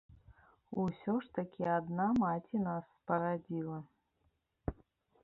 Усё ж такі адна маці нас спарадзіла.